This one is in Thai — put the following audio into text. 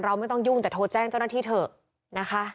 ไม่ต้องยุ่งแต่โทรแจ้งเจ้าหน้าที่เถอะนะคะ